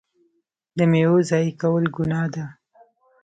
د میوو ضایع کول ګناه ده.